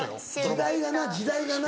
時代がな時代がな。